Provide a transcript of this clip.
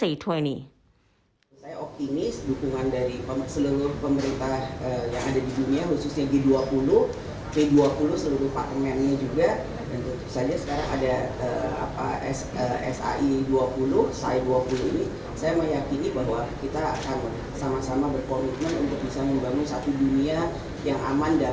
rakyatnya di lidahnya masing masing